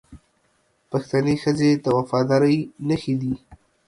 پښتنې ښځې د وفادارۍ نښې دي